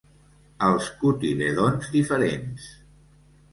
Els cotilèdons diferents.